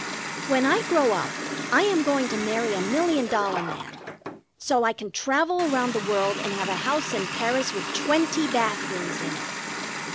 When I grow up I am going to marry a million dollar man, so I can travel around the world and have a house in Paris with twenty bath rooms in it.